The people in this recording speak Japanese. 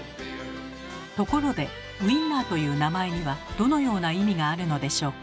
ところでウインナーという名前にはどのような意味があるのでしょうか？